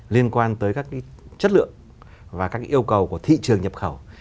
liên quan tới các cái chất lượng và các yêu cầu của thị trường nhập khẩu